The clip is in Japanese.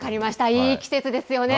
いい季節ですよね。